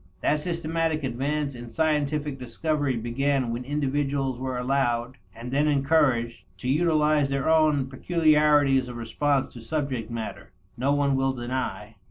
That systematic advance in scientific discovery began when individuals were allowed, and then encouraged, to utilize their own peculiarities of response to subject matter, no one will deny.